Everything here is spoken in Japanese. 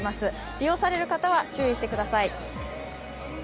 利用される方は注意してください。